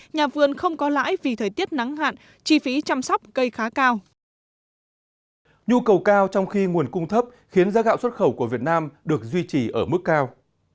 nhu cầu cao trong khi nguồn cung thấp khiến giá gạo xuất khẩu của việt nam được duy trì ở mức cao